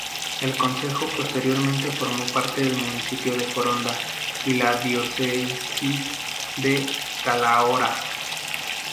El concejo posteriormente formó parte del municipio de Foronda y la Diócesis de Calahorra.